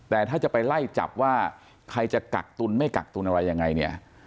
แต่ถ้าจะไปไล่จับว่าใครจะกักตุลไม่กักตุนอะไรยังไงเนี่ย